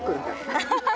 アハハッ。